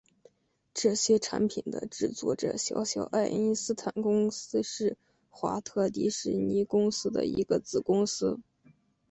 这些产品的制作者小小爱因斯坦公司是华特迪士尼公司的一个子公司。